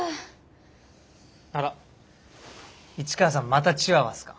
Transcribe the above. あら市川さんまたチワワっすか？